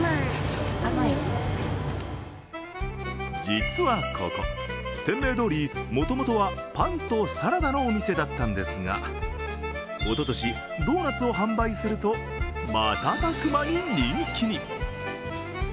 実はここ、店名どおりもともとはパンとサラダのお店だったんですがおととし、ドーナツを販売すると瞬く間に人気に。